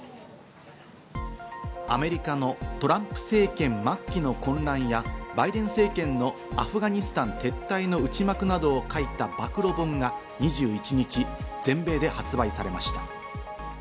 アメリカのトランプ政権末期の混乱やバイデン政権のアフガニスタン撤退の内幕などを書いた暴露本が２１日、全米で発売されました。